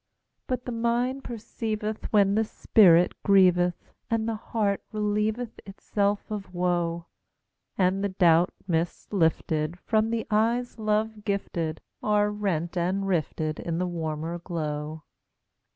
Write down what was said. But the mind perceiveth When the spirit grieveth, And the heart relieveth Itself of woe; And the doubt mists lifted From the eyes love gifted Are rent and rifted In the warmer glow.